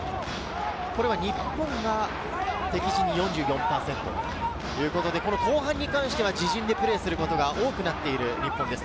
これは日本が敵陣に４４％ということで、後半に関しては自陣でプレーすることが多くなっている日本です。